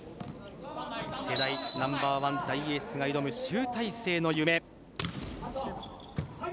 世代ナンバーワン大エースが挑む集大成の夢。